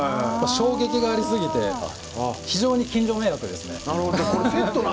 衝撃がありすぎて非常に近所迷惑ですね。